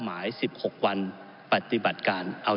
สมาชิกสภาพภูมิไทยราชดร